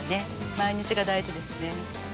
毎日が大事ですね。